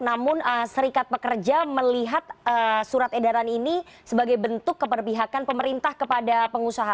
namun serikat pekerja melihat surat edaran ini sebagai bentuk keperpihakan pemerintah kepada pengusaha